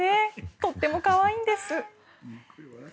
とっても可愛いんです。